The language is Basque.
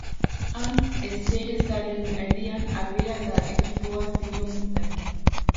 Han, ezerezaren erdian, Alvira eta ekipoa nituen zain.